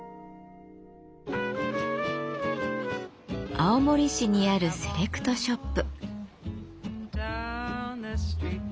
青森市にあるセレクトショップ。